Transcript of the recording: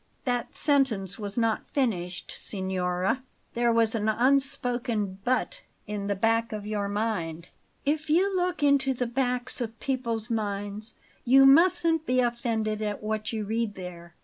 "That sentence was not finished, signora; there was an unspoken 'but' in the back of your mind." "If you look into the backs of people's minds, you mustn't be offended at what you read there.